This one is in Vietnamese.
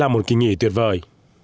một kinh nghỉ tuyệt vời